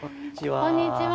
こんにちは。